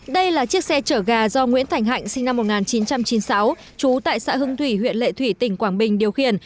đây là chiếc xe chở gà do nguyễn thành hạnh sinh năm một nghìn chín trăm chín mươi sáu trú tại xã hưng thủy huyện lệ thủy tỉnh quảng bình điều khiển